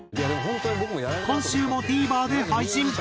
今週もＴＶｅｒで配信。